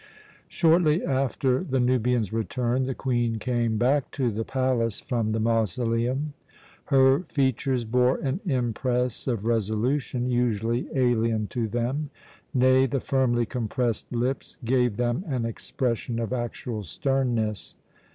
Shortly after the Nubian's return the Queen came back to the palace from the mausoleum. Her features bore an impress of resolution usually alien to them; nay, the firmly compressed lips gave them an expression of actual sternness.